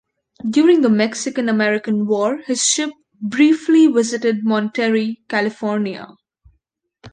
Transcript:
During the Mexican-American War, his ship briefly visited Monterey, California.